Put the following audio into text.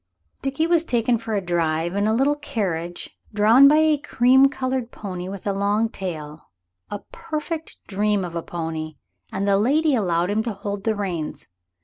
Dickie was taken for a drive in a little carriage drawn by a cream colored pony with a long tail a perfect dream of a pony, and the lady allowed him to hold the reins.